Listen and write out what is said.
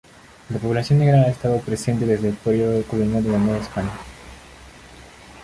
La población negra ha estado presente desde el periodo colonial de la Nueva España.